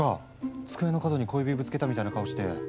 机の角に小指ぶつけたみたいな顔して。